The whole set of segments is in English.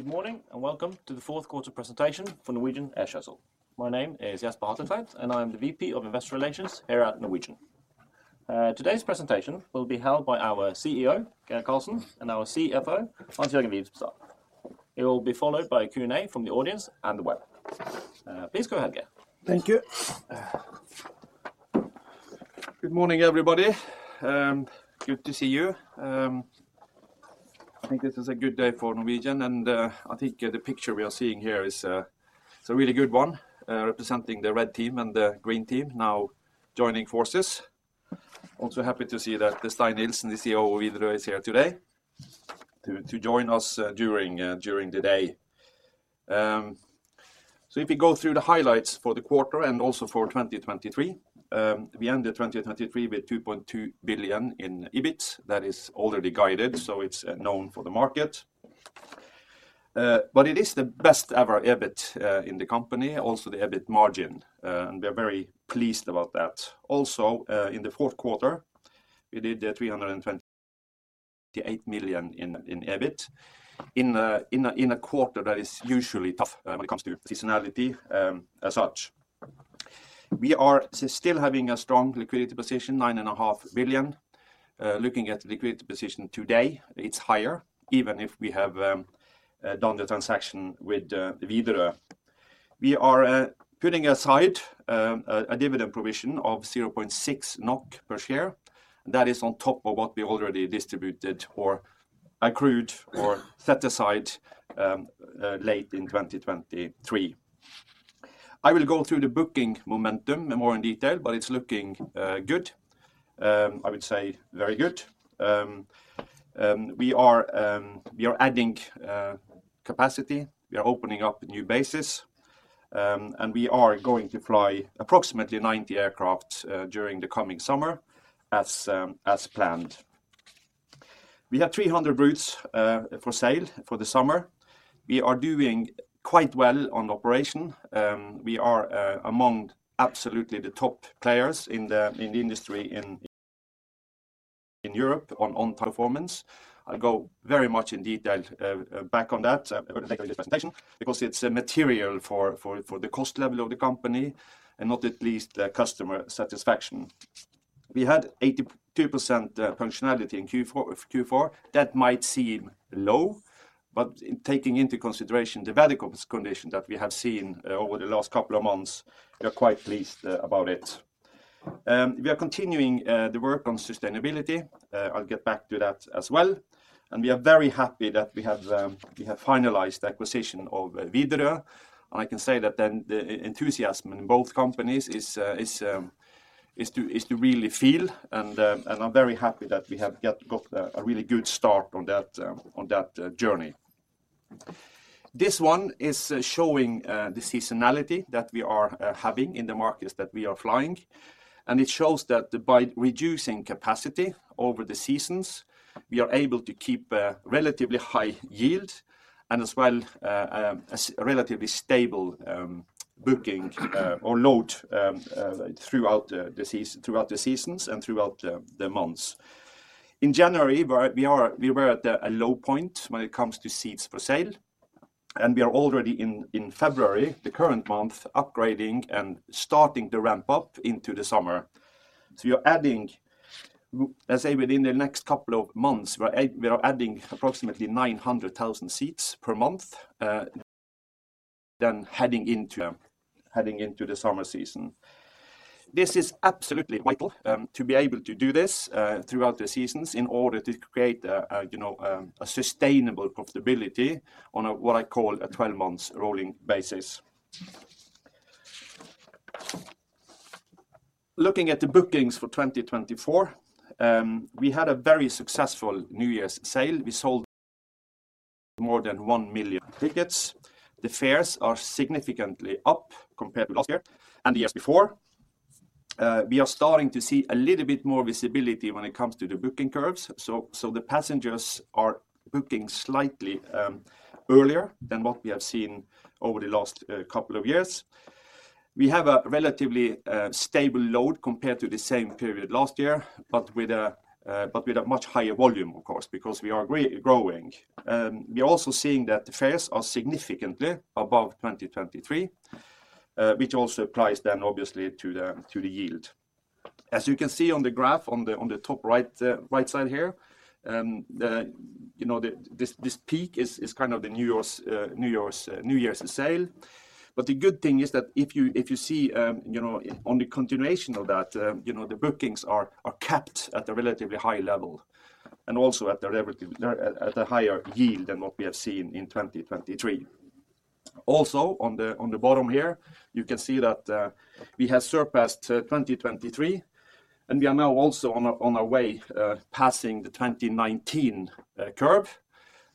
Good morning and welcome to the fourth quarter presentation for Norwegian Air Shuttle. My name is Jesper Hatletveit, and I am the VP of Investor Relations here at Norwegian. Today's presentation will be held by our CEO, Geir Karlsen, and our CFO, Hans-Jørgen Wibstad. It will be followed by a Q&A from the audience and the web. Please go ahead, Geir. Thank you. Good morning, everybody. Good to see you. I think this is a good day for Norwegian, and I think the picture we are seeing here is a really good one, representing the red team and the green team now joining forces. Also happy to see that Stein Nilsen, the CEO of Widerøe, is here today to join us during the day. So if we go through the highlights for the quarter and also for 2023, we ended 2023 with 2.2 billion in EBIT that is already guided, so it's known for the market. But it is the best-ever EBIT in the company, also the EBIT margin, and we are very pleased about that. Also, in the fourth quarter, we did 328 million in EBIT in a quarter that is usually tough when it comes to seasonality as such. We are still having a strong liquidity position, 9.5 billion. Looking at the liquidity position today, it's higher even if we have done the transaction with Widerøe. We are putting aside a dividend provision of 0.6 NOK per share. That is on top of what we already distributed or accrued or set aside late in 2023. I will go through the booking momentum more in detail, but it's looking good. I would say very good. We are adding capacity. We are opening up new bases, and we are going to fly approximately 90 aircraft during the coming summer as planned. We have 300 routes for sale for the summer. We are doing quite well on operation. We are among absolutely the top players in the industry in Europe on performance. I'll go very much in detail back on that presentation because it's material for the cost level of the company and not least customer satisfaction. We had 82% functionality in Q4. That might seem low, but taking into consideration the medical condition that we have seen over the last couple of months, we are quite pleased about it. We are continuing the work on sustainability. I'll get back to that as well. We are very happy that we have finalized the acquisition of Widerøe. I can say that then the enthusiasm in both companies is to really feel, and I'm very happy that we have got a really good start on that journey. This one is showing the seasonality that we are having in the markets that we are flying. It shows that by reducing capacity over the seasons, we are able to keep a relatively high yield and as well as relatively stable booking or load throughout the seasons and throughout the months. In January, we were at a low point when it comes to seats for sale. And we are already in February, the current month, upgrading and starting to ramp up into the summer. So we are adding, as I say, within the next couple of months, we are adding approximately 900,000 seats per month, then heading into the summer season. This is absolutely vital to be able to do this throughout the seasons in order to create a sustainable profitability on what I call a 12-month rolling basis. Looking at the bookings for 2024, we had a very successful New Year's sale. We sold more than 1,000,000 tickets. The fares are significantly up compared to last year and the years before. We are starting to see a little bit more visibility when it comes to the booking curves. So the passengers are booking slightly earlier than what we have seen over the last couple of years. We have a relatively stable load compared to the same period last year, but with a much higher volume, of course, because we are growing. We are also seeing that the fares are significantly above 2023, which also applies then, obviously, to the yield. As you can see on the graph on the top right side here, this peak is kind of the New Year's sale. But the good thing is that if you see on the continuation of that, the bookings are kept at a relatively high level and also at a higher yield than what we have seen in 2023. Also, on the bottom here, you can see that we have surpassed 2023, and we are now also on our way passing the 2019 curve.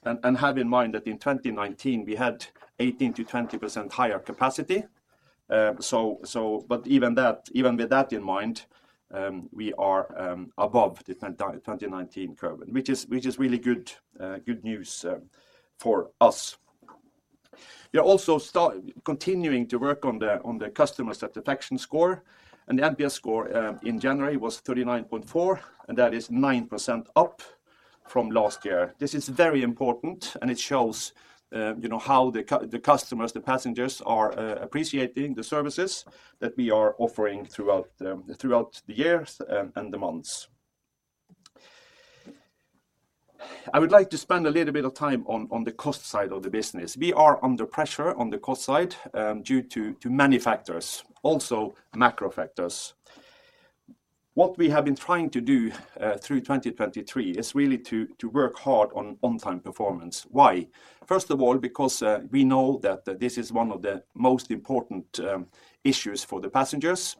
Have in mind that in 2019, we had 18%-20% higher capacity. But even with that in mind, we are above the 2019 curve, which is really good news for us. We are also continuing to work on the customer satisfaction score. The NPS score in January was 39.4, and that is 9% up from last year. This is very important, and it shows how the customers, the passengers, are appreciating the services that we are offering throughout the years and the months. I would like to spend a little bit of time on the cost side of the business. We are under pressure on the cost side due to many factors, also macro factors. What we have been trying to do through 2023 is really to work hard on on-time performance. Why? First of all, because we know that this is one of the most important issues for the passengers.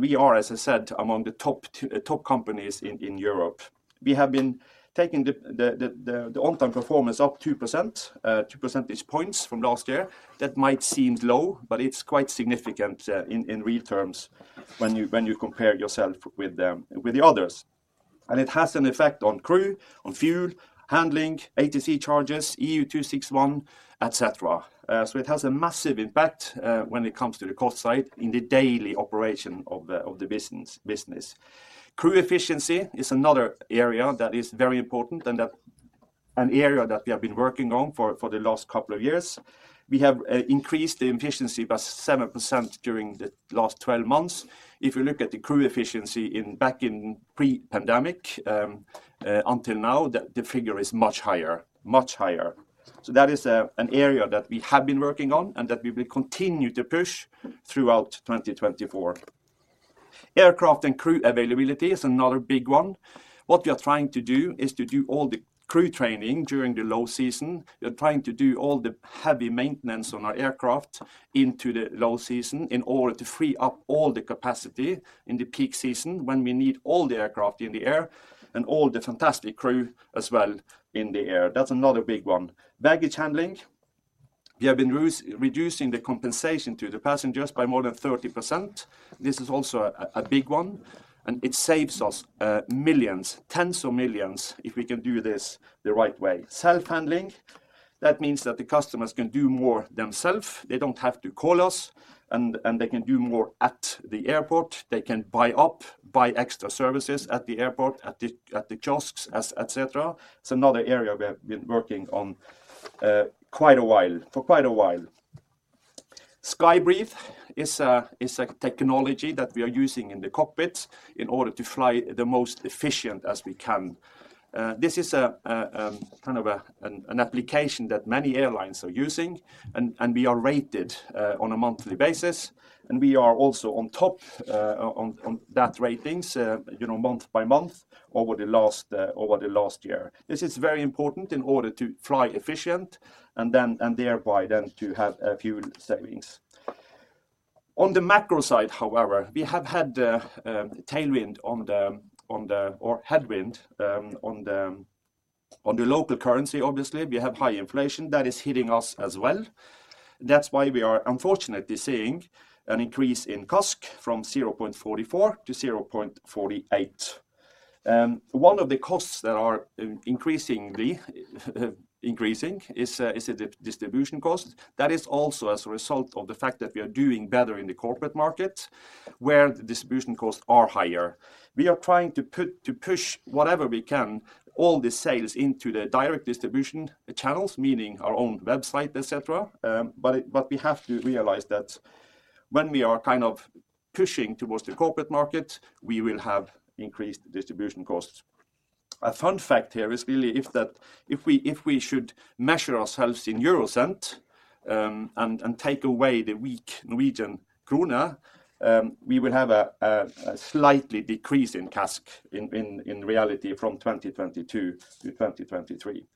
We are, as I said, among the top companies in Europe. We have been taking the on-time performance up 2%, 2 percentage points from last year. That might seem low, but it's quite significant in real terms when you compare yourself with the others. It has an effect on crew, on fuel, handling, ATC charges, EU 261, etc. So it has a massive impact when it comes to the cost side in the daily operation of the business. Crew efficiency is another area that is very important and an area that we have been working on for the last couple of years. We have increased the efficiency by 7% during the last 12 months. If you look at the crew efficiency back in pre-pandemic until now, the figure is much higher, much higher. So that is an area that we have been working on and that we will continue to push throughout 2024. Aircraft and crew availability is another big one. What we are trying to do is to do all the crew training during the low season. We are trying to do all the heavy maintenance on our aircraft into the low season in order to free up all the capacity in the peak season when we need all the aircraft in the air and all the fantastic crew as well in the air. That's another big one. Baggage handling. We have been reducing the compensation to the passengers by more than 30%. This is also a big one. And it saves us millions, tens of millions if we can do this the right way. Self-handling. That means that the customers can do more themselves. They don't have to call us, and they can do more at the airport. They can buy up, buy extra services at the airport, at the kiosks, etc. It's another area we've been working on quite a while, for quite a while. SkyBreathe is a technology that we are using in the cockpit in order to fly the most efficient as we can. This is kind of an application that many airlines are using, and we are rated on a monthly basis. And we are also on top of that rating month by month over the last year. This is very important in order to fly efficient and thereby then to have fuel savings. On the macro side, however, we have had tailwind or headwind on the local currency. Obviously, we have high inflation that is hitting us as well. That's why we are unfortunately seeing an increase in CASK from 0.44 to 0.48. One of the costs that are increasingly increasing is the distribution cost. That is also as a result of the fact that we are doing better in the corporate market where the distribution costs are higher. We are trying to push whatever we can, all the sales into the direct distribution channels, meaning our own website, etc. But we have to realize that when we are kind of pushing towards the corporate market, we will have increased distribution costs. A fun fact here is really if we should measure ourselves in euro cent and take away the weak Norwegian krone, we will have a slightly decrease in CASK in reality from 2022 to 2023.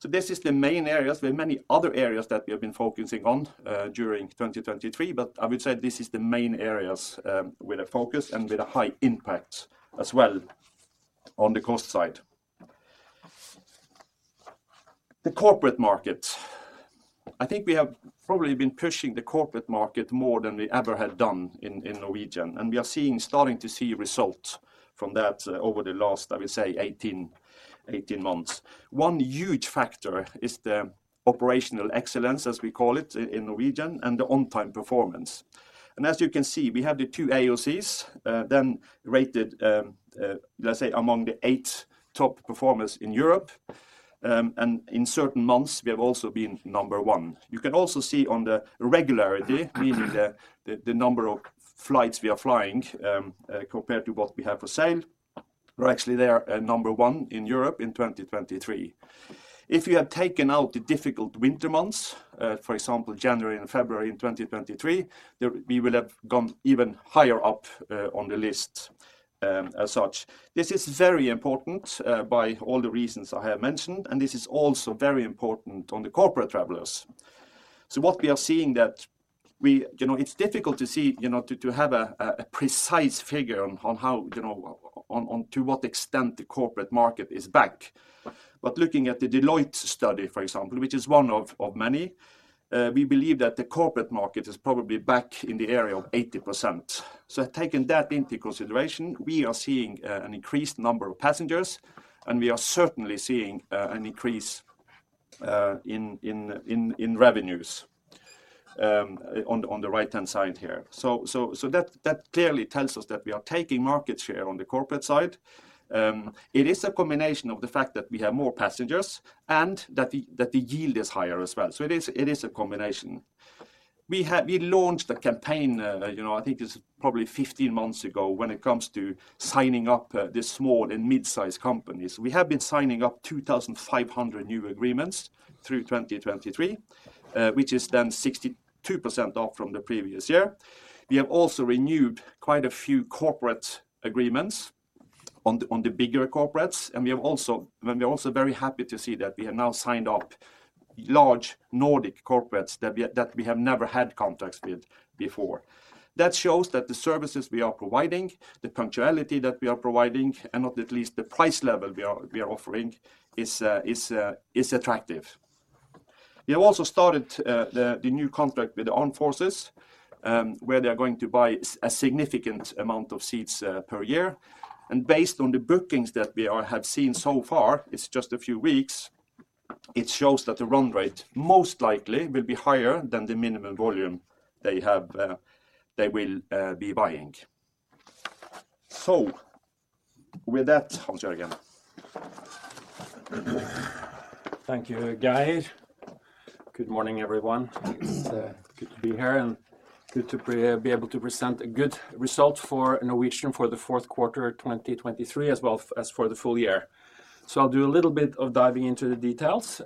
So this is the main areas. There are many other areas that we have been focusing on during 2023, but I would say this is the main areas with a focus and with a high impact as well on the cost side. The corporate market. I think we have probably been pushing the corporate market more than we ever had done in Norwegian, and we are starting to see results from that over the last, I would say, 18 months. One huge factor is the operational excellence, as we call it in Norwegian, and the on-time performance. As you can see, we have the two AOCs, then rated, let's say, among the eight top performers in Europe. In certain months, we have also been number one. You can also see on the regularity, meaning the number of flights we are flying compared to what we have for sale. We're actually there number one in Europe in 2023. If you have taken out the difficult winter months, for example, January and February in 2023, we will have gone even higher up on the list as such. This is very important by all the reasons I have mentioned, and this is also very important on the corporate travelers. What we are seeing that it's difficult to see, to have a precise figure on how, to what extent the corporate market is back. But looking at the Deloitte study, for example, which is one of many, we believe that the corporate market is probably back in the area of 80%. So taking that into consideration, we are seeing an increased number of passengers, and we are certainly seeing an increase in revenues on the right-hand side here. So that clearly tells us that we are taking market share on the corporate side. It is a combination of the fact that we have more passengers and that the yield is higher as well. So it is a combination. We launched a campaign, I think it's probably 15 months ago, when it comes to signing up the small and midsize companies. We have been signing up 2,500 new agreements through 2023, which is then 62% off from the previous year. We have also renewed quite a few corporate agreements on the bigger corporates. We are also very happy to see that we have now signed up large Nordic corporates that we have never had contacts with before. That shows that the services we are providing, the punctuality that we are providing, and not least the price level we are offering is attractive. We have also started the new contract with the armed forces where they are going to buy a significant amount of seats per year. Based on the bookings that we have seen so far, it's just a few weeks, it shows that the run rate most likely will be higher than the minimum volume they will be buying. So with that, Hans-Jørgen. Thank you, Geir. Good morning, everyone. It's good to be here and good to be able to present a good result for Norwegian for the fourth quarter 2023 as well as for the full year. So I'll do a little bit of diving into the details.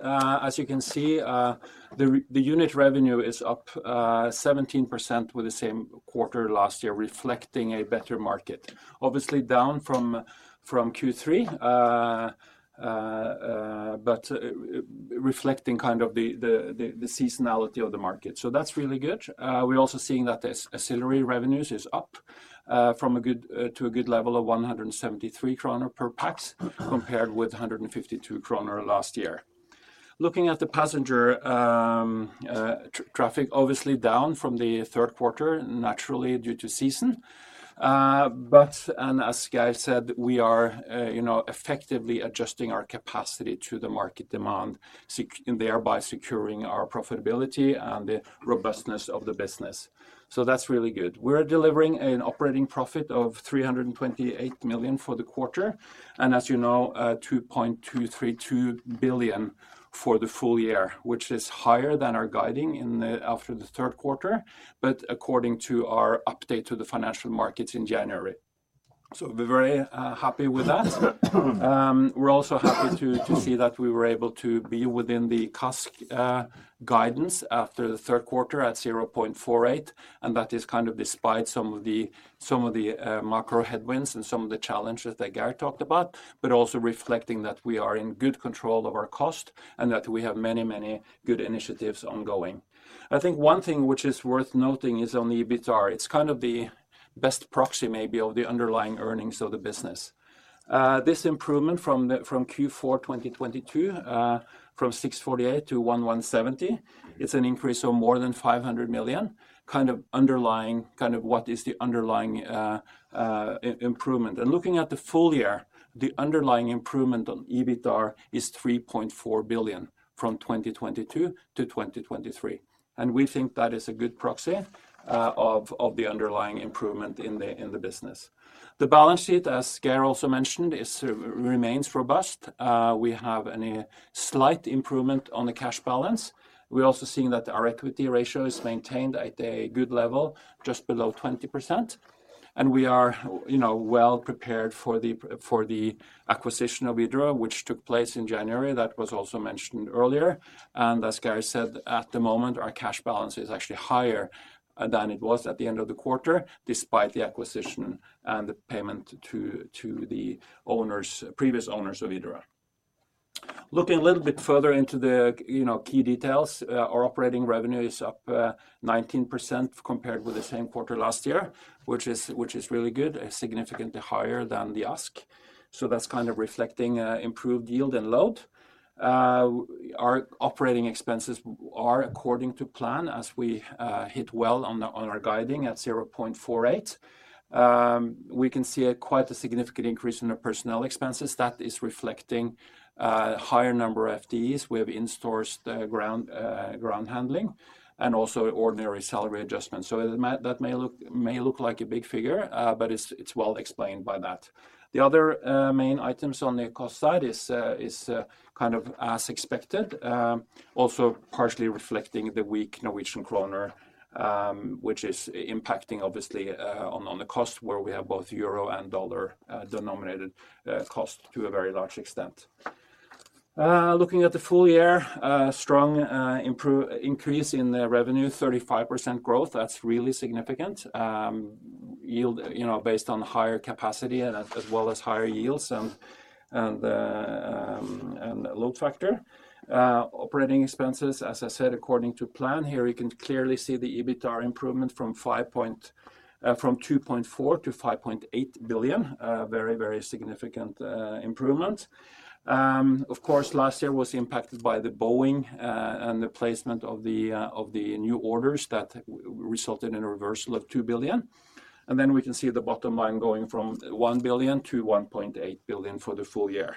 As you can see, the unit revenue is up 17% with the same quarter last year, reflecting a better market, obviously down from Q3, but reflecting kind of the seasonality of the market. So that's really good. We're also seeing that the accessory revenues is up to a good level of 173 kroner per pack compared with 152 kroner last year. Looking at the passenger traffic, obviously down from the third quarter, naturally due to season. And as Geir said, we are effectively adjusting our capacity to the market demand, thereby securing our profitability and the robustness of the business. So that's really good. We're delivering an operating profit of 328 million for the quarter and, as you know, 2.232 billion for the full year, which is higher than our guiding after the third quarter, but according to our update to the financial markets in January. So we're very happy with that. We're also happy to see that we were able to be within the CASK guidance after the third quarter at 0.48. And that is kind of despite some of the macro headwinds and some of the challenges that Geir talked about, but also reflecting that we are in good control of our cost and that we have many, many good initiatives ongoing. I think one thing which is worth noting is on the EBITDA. It's kind of the best proxy maybe of the underlying earnings of the business. This improvement from Q4 2022, from 648 to 1,170, it's an increase of more than 500 million, kind of underlying kind of what is the underlying improvement. Looking at the full year, the underlying improvement on EBITDA is 3.4 billion from 2022 to 2023. We think that is a good proxy of the underlying improvement in the business. The balance sheet, as Geir also mentioned, remains robust. We have a slight improvement on the cash balance. We're also seeing that our equity ratio is maintained at a good level, just below 20%. We are well prepared for the acquisition of Widerøe, which took place in January that was also mentioned earlier. As Geir said, at the moment, our cash balance is actually higher than it was at the end of the quarter, despite the acquisition and the payment to the previous owners of Widerøe. Looking a little bit further into the key details, our operating revenue is up 19% compared with the same quarter last year, which is really good, significantly higher than the ASK. So that's kind of reflecting improved yield and load. Our operating expenses are according to plan as we hit well on our guidance at 0.48. We can see quite a significant increase in our personnel expenses. That is reflecting a higher number of FTEs. We have in-sourced ground handling and also ordinary salary adjustments. So that may look like a big figure, but it's well explained by that. The other main items on the cost side is kind of as expected, also partially reflecting the weak Norwegian krone, which is impacting, obviously, on the cost where we have both euro and dollar denominated cost to a very large extent. Looking at the full year, strong increase in revenue, 35% growth. That's really significant, based on higher capacity as well as higher yields and load factor. Operating expenses, as I said, according to plan here, you can clearly see the EBITDA improvement from 2.4 billion to 5.8 billion, very, very significant improvement. Of course, last year was impacted by the Boeing and the placement of the new orders that resulted in a reversal of 2 billion. And then we can see the bottom line going from 1 billion to 1.8 billion for the full year.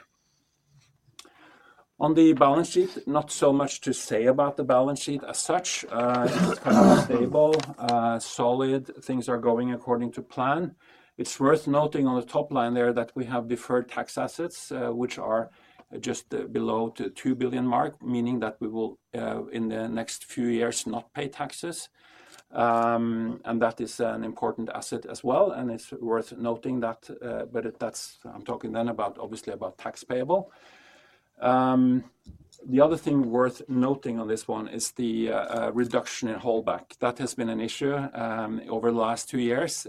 On the balance sheet, not so much to say about the balance sheet as such. It's kind of stable, solid. Things are going according to plan. It's worth noting on the top line there that we have deferred tax assets, which are just below the 2 billion mark, meaning that we will, in the next few years, not pay taxes. And that is an important asset as well. And it's worth noting that, but I'm talking then obviously about tax payable. The other thing worth noting on this one is the reduction in holdback. That has been an issue over the last two years.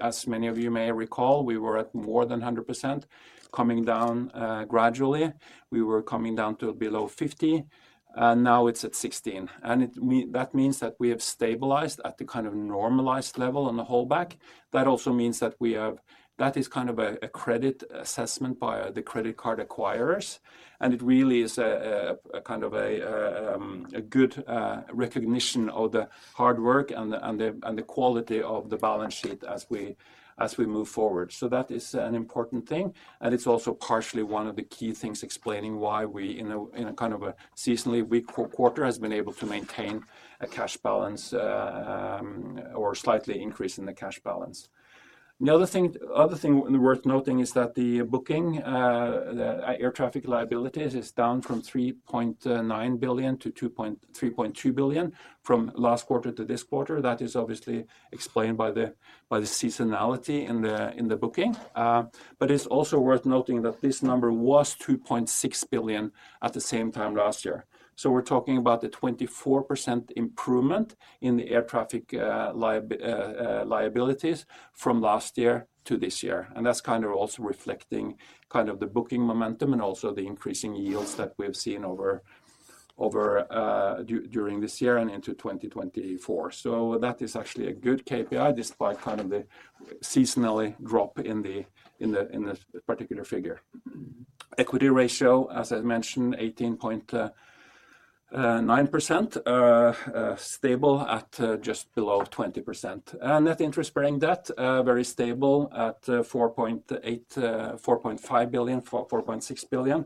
As many of you may recall, we were at more than 100%, coming down gradually. We were coming down to below 50%. Now it's at 16%. And that means that we have stabilized at the kind of normalized level on the holdback. That also means that we have that is kind of a credit assessment by the credit card acquirers. It really is kind of a good recognition of the hard work and the quality of the balance sheet as we move forward. So that is an important thing. It's also partially one of the key things explaining why we, in a kind of a seasonally weak quarter, have been able to maintain a cash balance or slightly increase in the cash balance. The other thing worth noting is that the booking, air traffic liabilities, is down from 3.9 billion to 3.2 billion from last quarter to this quarter. That is obviously explained by the seasonality in the booking. It's also worth noting that this number was 2.6 billion at the same time last year. So we're talking about a 24% improvement in the air traffic liabilities from last year to this year. And that's kind of also reflecting kind of the booking momentum and also the increasing yields that we've seen during this year and into 2024. So that is actually a good KPI despite kind of the seasonal drop in the particular figure. Equity ratio, as I mentioned, 18.9%, stable at just below 20%. Net interest bearing debt, very stable at 4.5 billion, 4.6 billion,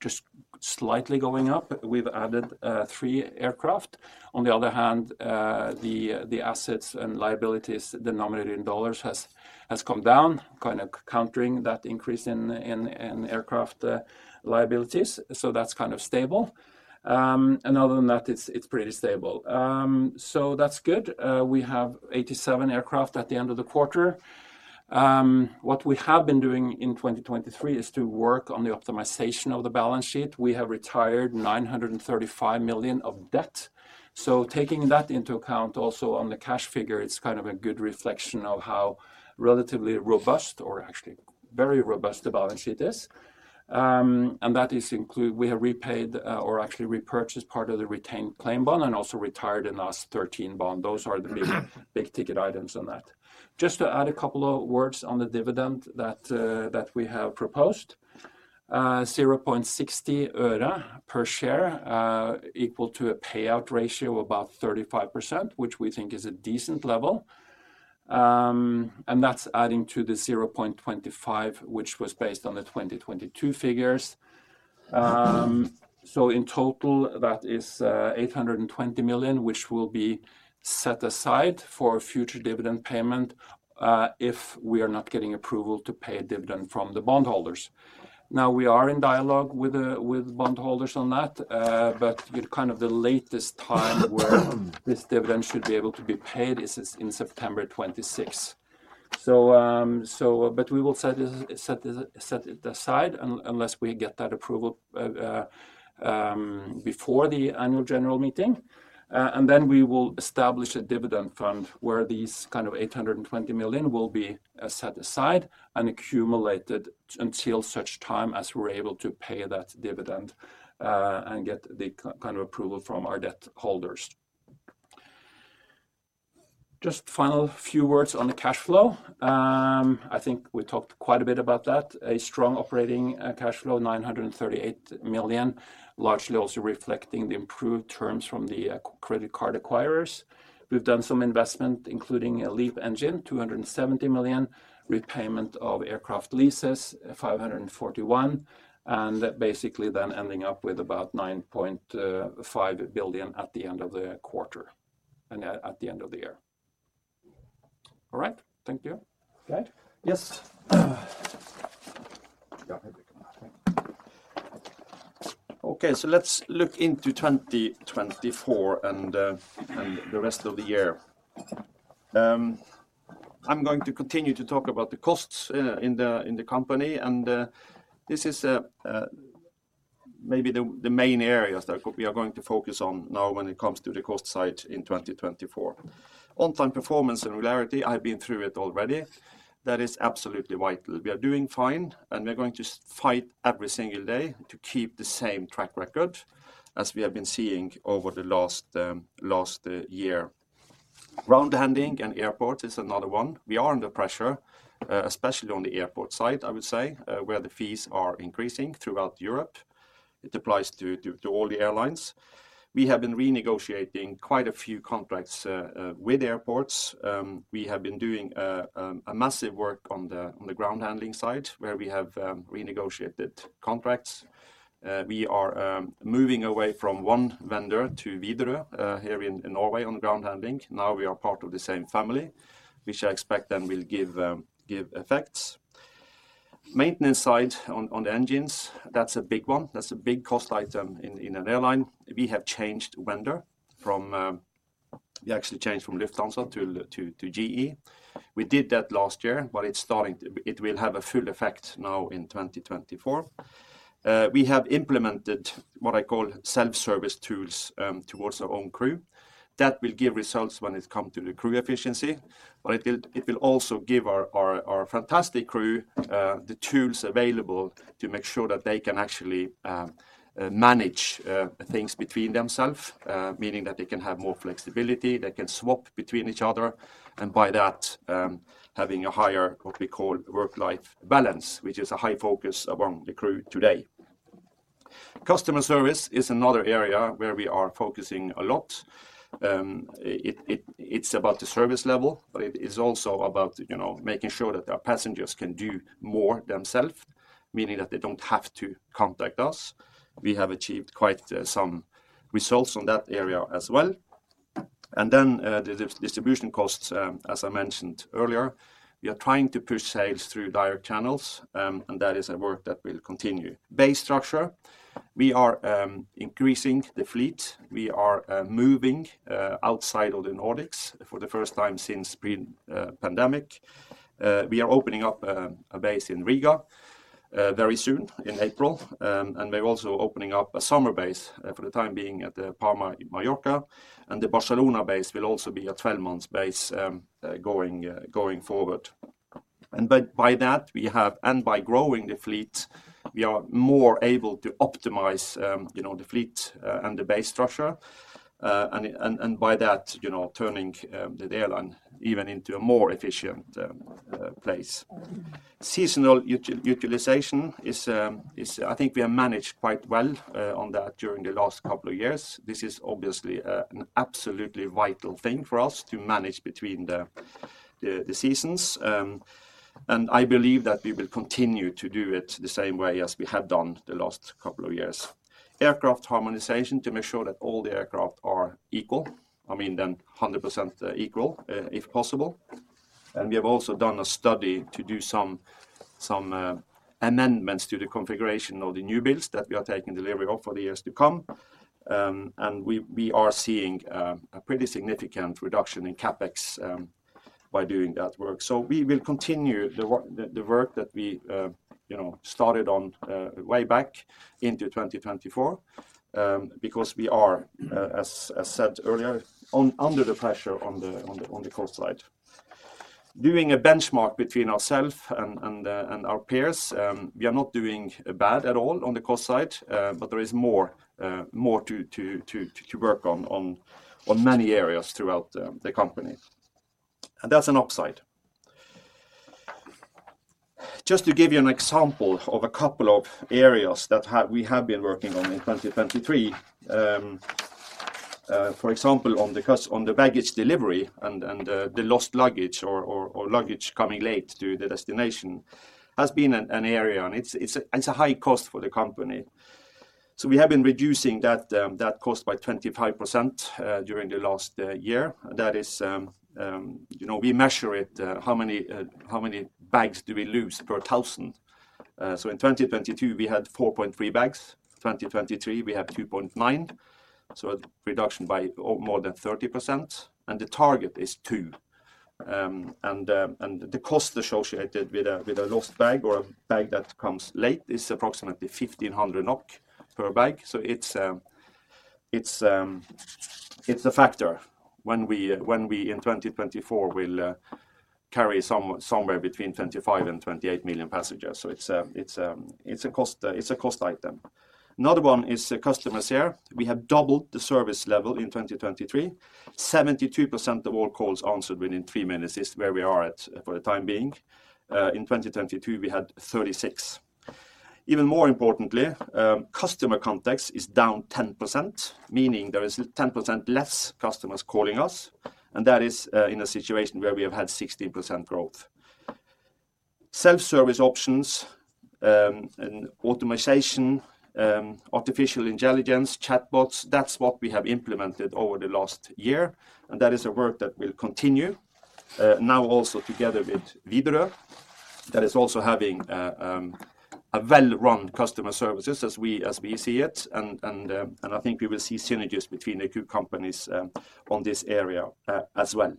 just slightly going up. We've added 3 aircraft. On the other hand, the assets and liabilities denominated in dollars have come down, kind of countering that increase in aircraft liabilities. So that's kind of stable. And other than that, it's pretty stable. So that's good. We have 87 aircraft at the end of the quarter. What we have been doing in 2023 is to work on the optimization of the balance sheet. We have retired 935 million of debt. So taking that into account also on the cash figure, it's kind of a good reflection of how relatively robust or actually very robust the balance sheet is. And we have repaid or actually repurchased part of the retained claim bond and also retired the last 13 bond. Those are the big ticket items on that. Just to add a couple of words on the dividend that we have proposed, 0.60 NOK per share equal to a payout ratio of about 35%, which we think is a decent level. And that's adding to the 0.25, which was based on the 2022 figures. So in total, that is 820 million, which will be set aside for future dividend payment if we are not getting approval to pay dividend from the bondholders. Now, we are in dialogue with bondholders on that, but kind of the latest time where this dividend should be able to be paid is in September 26. But we will set it aside unless we get that approval before the annual general meeting. Then we will establish a dividend fund where these kind of 820 million will be set aside and accumulated until such time as we're able to pay that dividend and get the kind of approval from our debt holders. Just final few words on the cash flow. I think we talked quite a bit about that. A strong operating cash flow, 938 million, largely also reflecting the improved terms from the credit card acquirers. We've done some investment, including a LEAP engine, 270 million, repayment of aircraft leases, 541 million, and basically then ending up with about 9.5 billion at the end of the quarter and at the end of the year. All right. Thank you. Geir? Yes. Yeah, I'm going to come back. Thank you. Okay. So let's look into 2024 and the rest of the year. I'm going to continue to talk about the costs in the company. And this is maybe the main areas that we are going to focus on now when it comes to the cost side in 2024. On-time performance and regularity, I've been through it already. That is absolutely vital. We are doing fine, and we're going to fight every single day to keep the same track record as we have been seeing over the last year. Ground handling and airports is another one. We are under pressure, especially on the airport side, I would say, where the fees are increasing throughout Europe. It applies to all the airlines. We have been renegotiating quite a few contracts with airports. We have been doing a massive work on the ground handling side where we have renegotiated contracts. We are moving away from one vendor to Widerøe here in Norway on ground handling. Now we are part of the same family, which I expect then will give effects. Maintenance side on the engines, that's a big one. That's a big cost item in an airline. We have changed vendor. We actually changed from Lufthansa to GE. We did that last year, but it will have a full effect now in 2024. We have implemented what I call self-service tools towards our own crew. That will give results when it comes to the crew efficiency. But it will also give our fantastic crew the tools available to make sure that they can actually manage things between themselves, meaning that they can have more flexibility. They can swap between each other and by that, having a higher, what we call, work-life balance, which is a high focus among the crew today. Customer service is another area where we are focusing a lot. It's about the service level, but it's also about making sure that our passengers can do more themselves, meaning that they don't have to contact us. We have achieved quite some results on that area as well. And then the distribution costs, as I mentioned earlier, we are trying to push sales through direct channels, and that is a work that will continue. Base structure. We are increasing the fleet. We are moving outside of the Nordics for the first time since the pandemic. We are opening up a base in Riga very soon in April. We're also opening up a summer base for the time being at Palma de Mallorca. The Barcelona base will also be a 12-month base going forward. By that, we have and by growing the fleet, we are more able to optimize the fleet and the base structure and by that, turning the airline even into a more efficient place. Seasonal utilization is, I think, we have managed quite well on that during the last couple of years. This is obviously an absolutely vital thing for us to manage between the seasons. I believe that we will continue to do it the same way as we have done the last couple of years. Aircraft harmonization to make sure that all the aircraft are equal. I mean, then 100% equal if possible. We have also done a study to do some amendments to the configuration of the new builds that we are taking delivery of for the years to come. We are seeing a pretty significant reduction in CapEx by doing that work. So we will continue the work that we started on way back into 2024 because we are, as said earlier, under the pressure on the cost side. Doing a benchmark between ourselves and our peers, we are not doing bad at all on the cost side, but there is more to work on many areas throughout the company. That's an upside. Just to give you an example of a couple of areas that we have been working on in 2023, for example, on the baggage delivery and the lost luggage or luggage coming late to the destination has been an area, and it's a high cost for the company. So we have been reducing that cost by 25% during the last year. That is, we measure it. How many bags do we lose per 1,000? So in 2022, we had 4.3 bags. 2023, we have 2.9. So a reduction by more than 30%. And the target is 2. And the cost associated with a lost bag or a bag that comes late is approximately 1,500 NOK per bag. So it's a factor when we, in 2024, will carry somewhere between 25-28 million passengers. So it's a cost item. Another one is customers here. We have doubled the service level in 2023. 72% of all calls answered within three minutes is where we are at for the time being. In 2022, we had 36%. Even more importantly, customer contacts is down 10%, meaning there is 10% less customers calling us. And that is in a situation where we have had 16% growth. Self-service options, automation, artificial intelligence, chatbots, that's what we have implemented over the last year. And that is a work that will continue. Now also together with Widerøe, that is also having well-run customer services as we see it. And I think we will see synergies between the two companies on this area as well.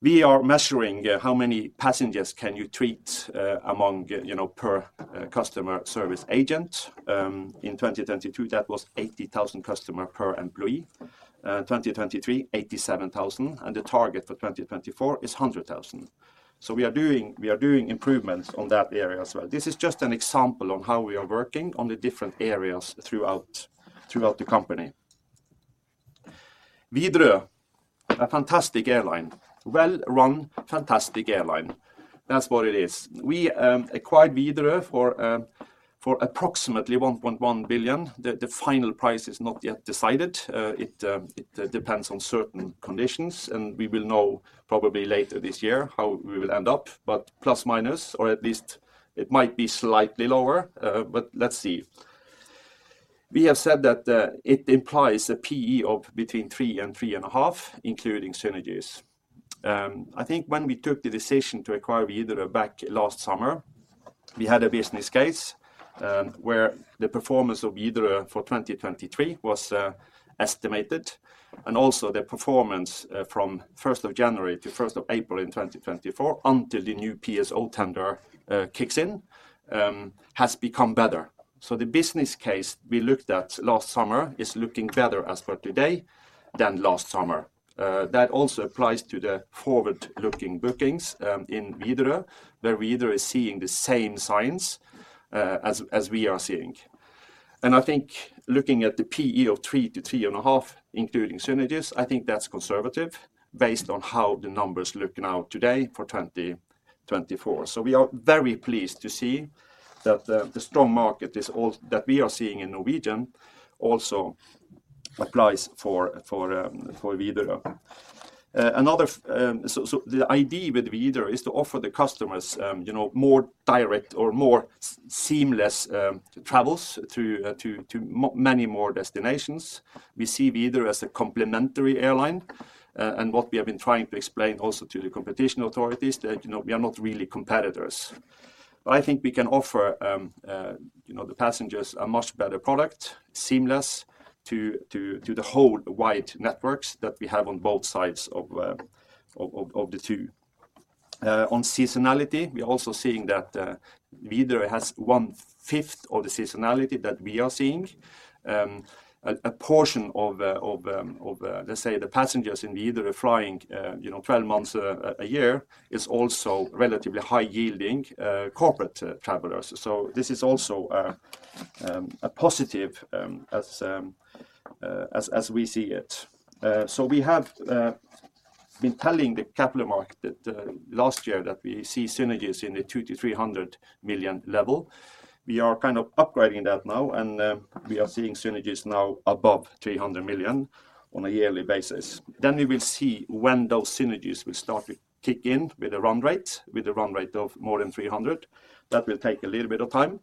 We are measuring how many passengers can you treat a month per customer service agent. In 2022, that was 80,000 customers per employee. 2023, 87,000. And the target for 2024 is 100,000. So we are doing improvements on that area as well. This is just an example on how we are working on the different areas throughout the company. Widerøe, a fantastic airline. Well-run, fantastic airline. That's what it is. We acquired Widerøe for approximately 1.1 billion. The final price is not yet decided. It depends on certain conditions. And we will know probably later this year how we will end up, but plus-minus, or at least it might be slightly lower. But let's see. We have said that it implies a PE of between 3 and 3.5, including synergies. I think when we took the decision to acquire Widerøe back last summer, we had a business case where the performance of Widerøe for 2023 was estimated. Also, the performance from 1st of January to 1st of April in 2024 until the new PSO tender kicks in has become better. So the business case we looked at last summer is looking better as per today than last summer. That also applies to the forward-looking bookings in Widerøe, where Widerøe is seeing the same signs as we are seeing. And I think looking at the PE of 3-3.5, including synergies, I think that's conservative based on how the numbers look now today for 2024. So we are very pleased to see that the strong market that we are seeing in Norwegian also applies for Widerøe. So the idea with Widerøe is to offer the customers more direct or more seamless travels to many more destinations. We see Widerøe as a complementary airline. What we have been trying to explain also to the competition authorities is that we are not really competitors. I think we can offer the passengers a much better product, seamless, to the whole wide networks that we have on both sides of the two. On seasonality, we are also seeing that Widerøe has one-fifth of the seasonality that we are seeing. A portion of, let's say, the passengers in Widerøe flying 12 months a year is also relatively high-yielding corporate travelers. So this is also a positive as we see it. So we have been telling the capital market last year that we see synergies in the 2 million-300 million level. We are kind of upgrading that now. And we are seeing synergies now above 300 million on a yearly basis. Then we will see when those synergies will start to kick in with the run rate, with the run rate of more than 300. That will take a little bit of time,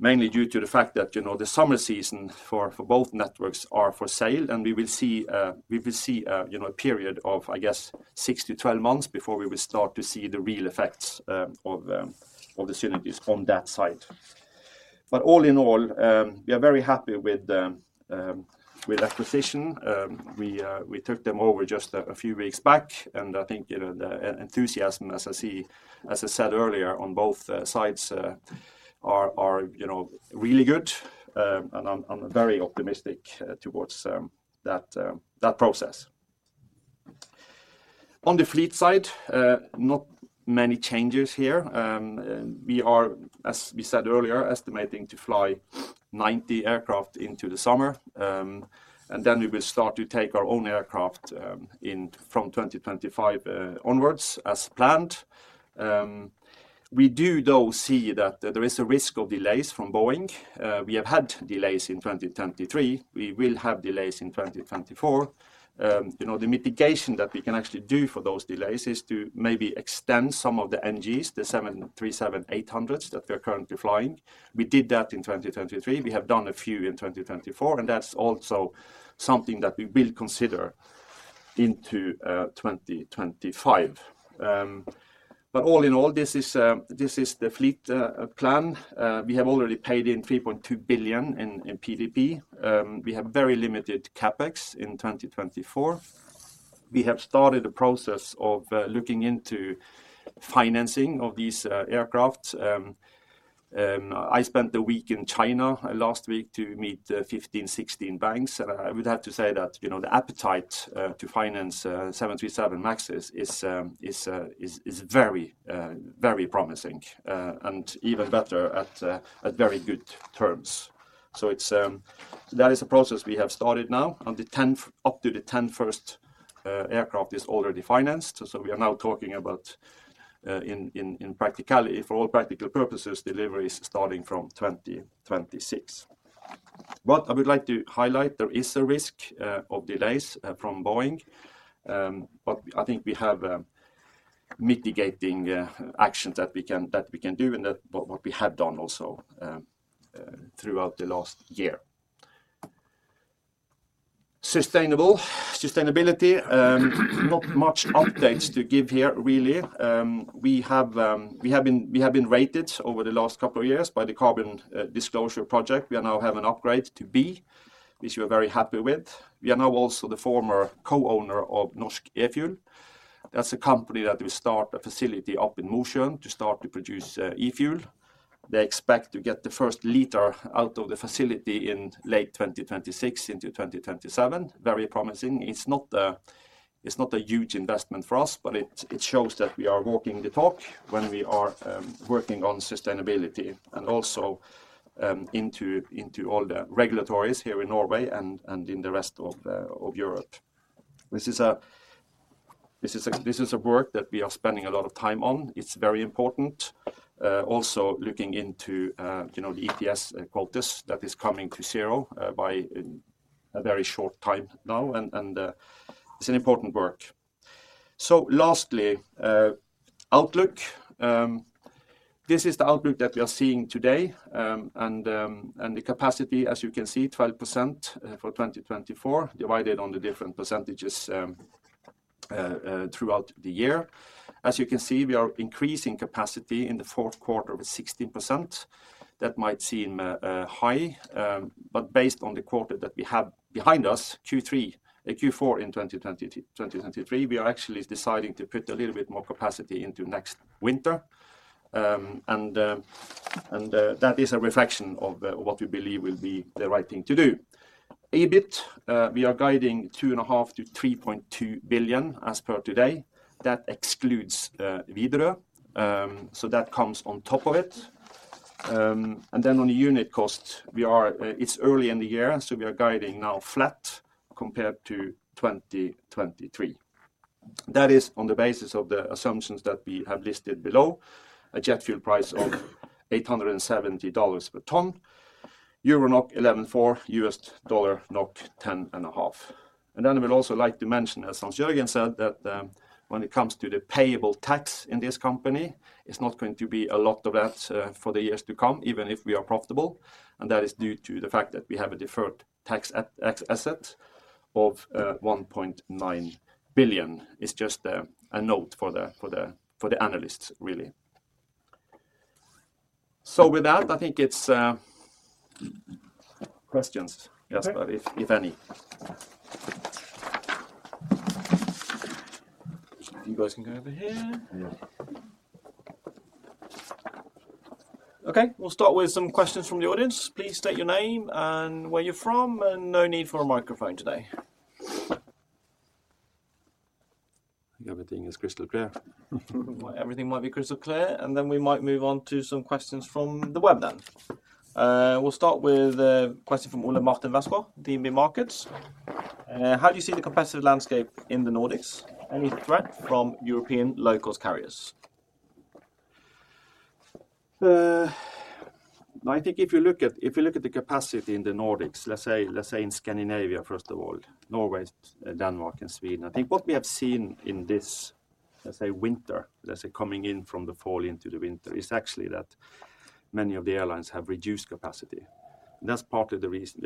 mainly due to the fact that the summer season for both networks is for sale. We will see a period of, I guess, 6-12 months before we will start to see the real effects of the synergies on that side. But all in all, we are very happy with the acquisition. We took them over just a few weeks back. I think the enthusiasm, as I said earlier, on both sides is really good. I'm very optimistic towards that process. On the fleet side, not many changes here. We are, as we said earlier, estimating to fly 90 aircraft into the summer. Then we will start to take our own aircraft from 2025 onwards as planned. We do, though, see that there is a risk of delays from Boeing. We have had delays in 2023. We will have delays in 2024. The mitigation that we can actually do for those delays is to maybe extend some of the NGs, the 737-800s that we are currently flying. We did that in 2023. We have done a few in 2024. And that's also something that we will consider into 2025. But all in all, this is the fleet plan. We have already paid 3.2 billion in PDP. We have very limited capex in 2024. We have started the process of looking into financing of these aircraft. I spent a week in China last week to meet 15-16 banks. I would have to say that the appetite to finance 737 MAXs is very, very promising and even better at very good terms. That is a process we have started now. Up to the 10 first aircraft is already financed. We are now talking about, in practicality, for all practical purposes, deliveries starting from 2026. I would like to highlight there is a risk of delays from Boeing. I think we have mitigating actions that we can do and what we have done also throughout the last year. Sustainability. Not much updates to give here, really. We have been rated over the last couple of years by the Carbon Disclosure Project. We now have an upgrade to B, which we are very happy with. We are now also the former co-owner of Norsk e-Fuel. That's a company that will start a facility up in Mosjøen to start to produce e-fuel. They expect to get the first liter out of the facility in late 2026 into 2027. Very promising. It's not a huge investment for us, but it shows that we are walking the talk when we are working on sustainability and also into all the regulations here in Norway and in the rest of Europe. This is a work that we are spending a lot of time on. It's very important. Also looking into the ETS quotas that is coming to zero by a very short time now. It's an important work. Lastly, outlook. This is the outlook that we are seeing today. The capacity, as you can see, 12% for 2024 divided on the different percentages throughout the year. As you can see, we are increasing capacity in the fourth quarter with 16%. That might seem high. But based on the quarter that we have behind us, Q4 in 2023, we are actually deciding to put a little bit more capacity into next winter. And that is a reflection of what we believe will be the right thing to do. EBIT, we are guiding 2.5 billion-3.2 billion as per today. That excludes Widerøe. So that comes on top of it. And then on the unit cost, it's early in the year. So we are guiding now flat compared to 2023. That is on the basis of the assumptions that we have listed below, a jet fuel price of $870 per ton, EUR/NOK 11.4, USD/NOK 10.5. And then I would also like to mention, as Hans-Jørgen said, that when it comes to the payable tax in this company, it's not going to be a lot of that for the years to come, even if we are profitable. And that is due to the fact that we have a deferred tax asset of 1.9 billion. It's just a note for the analysts, really. So with that, I think it's questions, yes, if any. If you guys can go over here. Okay. We'll start with some questions from the audience. Please state your name and where you're from. And no need for a microphone today. I think everything is crystal clear. Everything might be crystal clear. And then we might move on to some questions from the web then. We'll start with a question from Ole Martin Westgaard, DNB Markets. How do you see the competitive landscape in the Nordics? Any threat from European low-cost carriers? I think if you look at the capacity in the Nordics, let's say in Scandinavia, first of all, Norway, Denmark, and Sweden, I think what we have seen in this, let's say, winter, let's say, coming in from the fall into the winter, is actually that many of the airlines have reduced capacity. That's partly the reason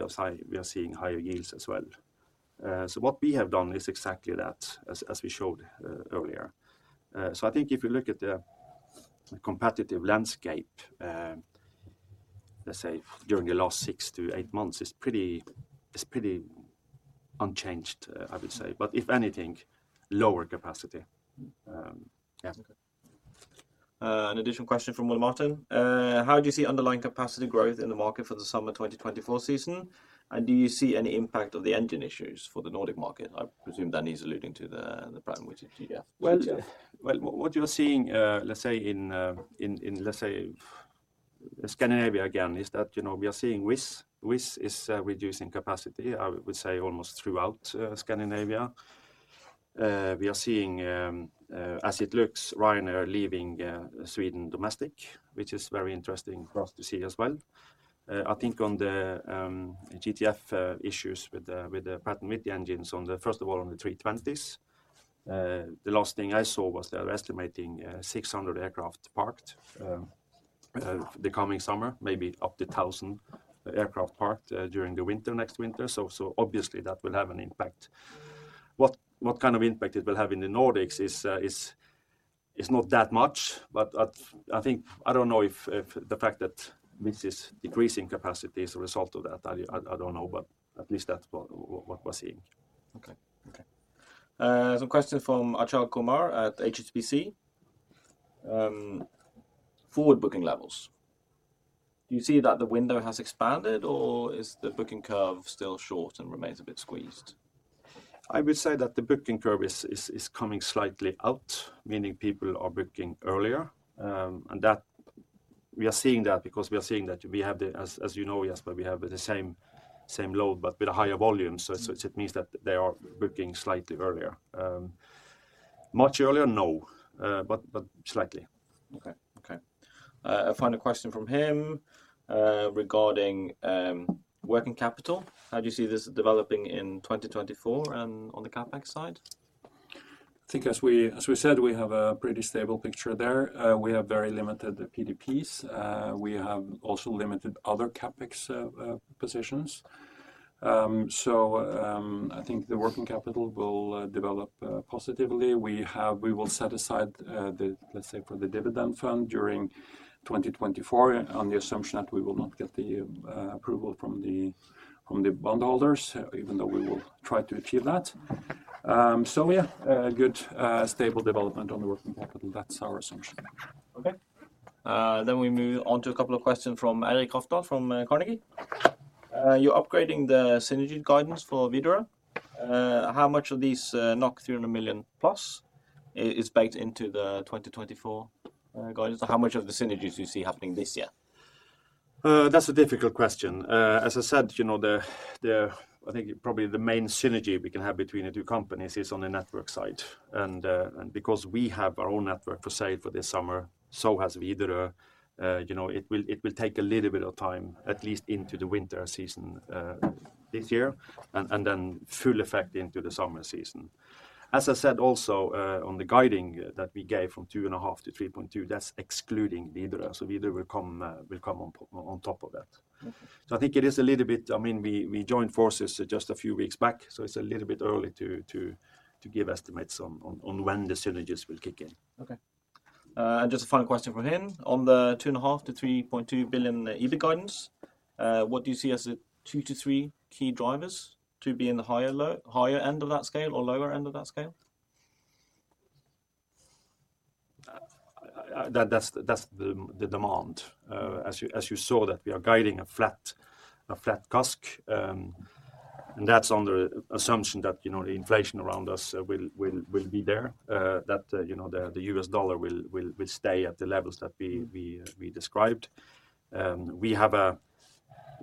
we are seeing higher yields as well. So what we have done is exactly that, as we showed earlier. So I think if you look at the competitive landscape, let's say, during the last 6-8 months, it's pretty unchanged, I would say. But if anything, lower capacity. Yeah. Okay. An additional question from Ole-Martin. How do you see underlying capacity growth in the market for the summer 2024 season? Do you see any impact of the engine issues for the Nordic market? I presume Danny is alluding to the PW, which is GTF. Well, what you are seeing, let's say, in, let's say, Scandinavia again, is that we are seeing SAS is reducing capacity, I would say, almost throughout Scandinavia. We are seeing, as it looks, Ryanair leaving Sweden domestic, which is very interesting for us to see as well. I think on the GTF issues with the engines, first of all, on the 320s, the last thing I saw was they were estimating 600 aircraft parked the coming summer, maybe up to 1,000 aircraft parked during the winter, next winter. So obviously, that will have an impact. What kind of impact it will have in the Nordics is not that much. But I don't know if the fact that Wizz is decreasing capacity is a result of that. I don't know. But at least that's what we're seeing. Okay. Okay. Some question from Achal Kumar at HSBC. Forward booking levels. Do you see that the window has expanded, or is the booking curve still short and remains a bit squeezed? I would say that the booking curve is coming slightly out, meaning people are booking earlier. And we are seeing that because we are seeing that we have the, as you know, Jesper, we have the same load but with a higher volume. So it means that they are booking slightly earlier. Much earlier, no, but slightly. Okay. Okay. A final question from him regarding working capital. How do you see this developing in 2024 and on the CapEx side? I think, as we said, we have a pretty stable picture there. We have very limited PDPs. We have also limited other CapEx positions. So I think the working capital will develop positively. We will set aside, let's say, for the dividend fund during 2024 on the assumption that we will not get the approval from the bondholders, even though we will try to achieve that. So yeah, good stable development on the working capital. That's our assumption. Okay. Then we move on to a couple of questions from Elrik Rafdal from Carnegie. You're upgrading the synergy guidance for Widerøe. How much of these 300 million+ is baked into the 2024 guidance? How much of the synergies do you see happening this year? That's a difficult question. As I said, I think probably the main synergy we can have between the two companies is on the network side. Because we have our own network for sale for this summer, so has Widerøe, it will take a little bit of time, at least into the winter season this year, and then full effect into the summer season. As I said, also, on the guidance that we gave from 2.5 billion to 3.2 billion, that's excluding Widerøe. So Widerøe will come on top of that. So I think it is a little bit, I mean, we joined forces just a few weeks back. So it's a little bit early to give estimates on when the synergies will kick in. Okay. And just a final question for him. On the 2.5 billion-3.2 billion EBIT guidance, what do you see as the two to three key drivers to be in the higher end of that scale or lower end of that scale? That's the demand. As you saw, we are guiding a flat CASK. That's on the assumption that the inflation around us will be there, that the US dollar will stay at the levels that we described. We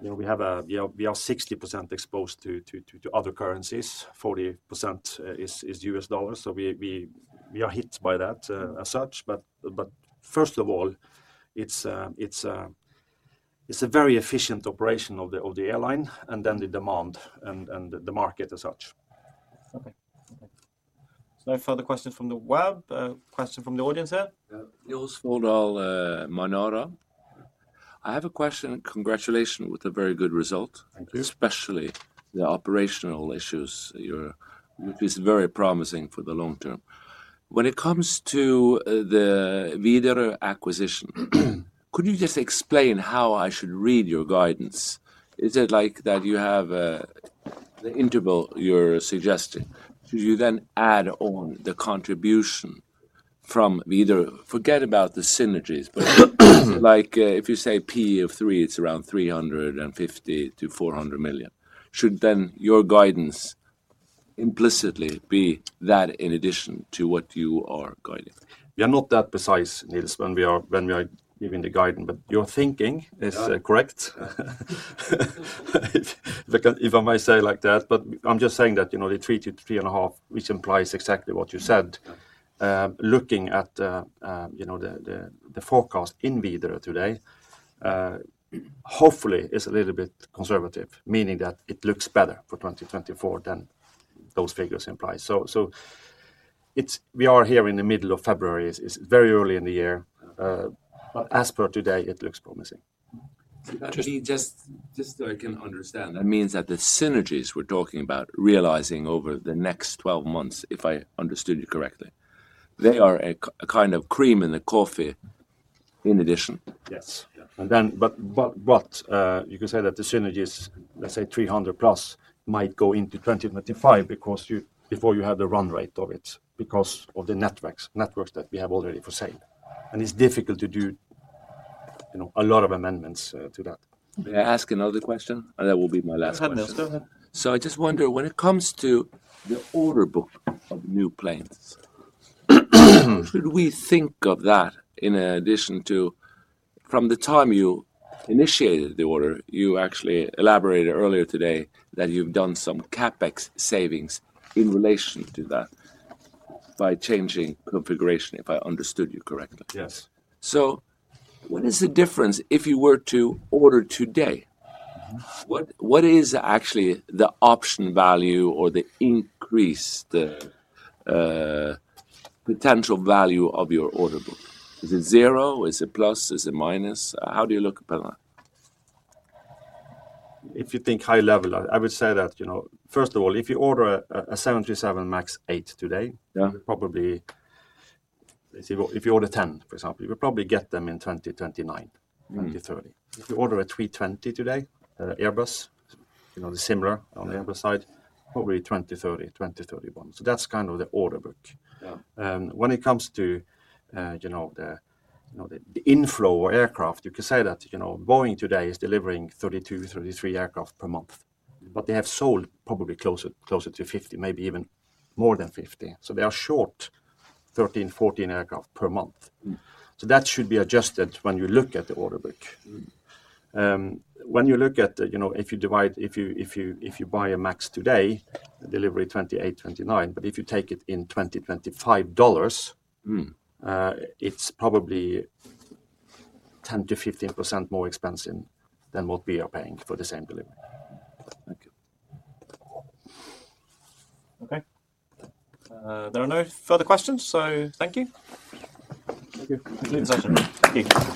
are 60% exposed to other currencies. 40% is US dollar. So we are hit by that as such. But first of all, it's a very efficient operation of the airline and then the demand and the market as such. Okay. Okay. So no further questions from the web. Question from the audience here? Jos Voldahl, Manara. I have a question. Congratulations with a very good result, especially the operational issues. It is very promising for the long term. When it comes to the Widerøe acquisition, could you just explain how I should read your guidance? Is it like that you have the interval you're suggesting? Should you then add on the contribution from Widerøe? Forget about the synergies. But if you say PE of 3, it's around 350-400 million. Should then your guidance implicitly be that in addition to what you are guiding? We are not that precise, Niels, when we are giving the guidance. But your thinking is correct, if I may say like that. But I'm just saying that the 3-3.5, which implies exactly what you said, looking at the forecast in Widerøe today, hopefully, is a little bit conservative, meaning that it looks better for 2024 than those figures imply. So we are here in the middle of February. It's very early in the year. But as per today, it looks promising. Interesting. Just so I can understand, that means that the synergies we're talking about realizing over the next 12 months, if I understood you correctly, they are a kind of cream in the coffee in addition? Yes. But you can say that the synergies, let's say, 300+ might go into 2025 before you have the run rate of it because of the networks that we have already for sale. And it's difficult to do a lot of amendments to that. May I ask another question? And that will be my last question. Go ahead, Niels. Go ahead. So I just wonder, when it comes to the order book of new planes, should we think of that in addition to from the time you initiated the order, you actually elaborated earlier today that you've done some CapEx savings in relation to that by changing configuration, if I understood you correctly? Yes. So what is the difference if you were to order today? What is actually the option value or the increase, the potential value of your order book? Is it zero? Is it plus? Is it minus? How do you look upon that? If you think high level, I would say that, first of all, if you order a 737 MAX 8 today, you'll probably if you order 10, for example, you'll probably get them in 2029, 2030. If you order a 320 today, Airbus, the similar on the Airbus side, probably 2030, 2031. So that's kind of the order book. When it comes to the inflow of aircraft, you can say that Boeing today is delivering 32, 33 aircraft per month. But they have sold probably closer to 50, maybe even more than 50. So they are short 13, 14 aircraft per month. So that should be adjusted when you look at the order book. When you look at if you divide if you buy a MAX today, delivery 2028, 2029. But if you take it in $2025, it's probably 10%-15% more expensive than what we are paying for the same delivery. Thank you. Okay. There are no further questions. So thank you. Thank you. Complete the session. Thank you.